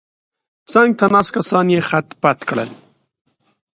څنګ ته ناست کسان یې خت پت کړل.